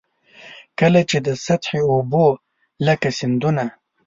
کله چي د سطحي اوبو لکه سیندونه.